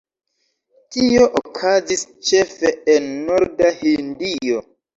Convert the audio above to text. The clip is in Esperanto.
Tio okazis ĉefe en norda Hindio.